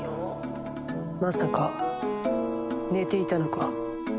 まさか寝ていたのか？